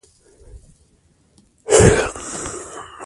خپل مسؤلیت ادا کړئ.